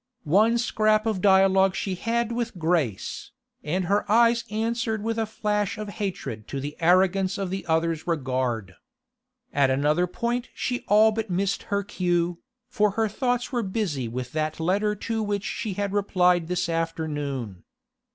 One scrap of dialogue she had with Grace, and her eyes answered with a flash of hatred to the arrogance of the other's regard. At another point she all but missed her cue, for her thoughts were busy with that letter to which she had replied this afternoon.